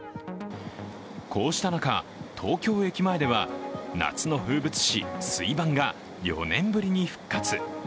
こうした中、東京駅前では夏の風物詩、水盤が４年ぶりに復活。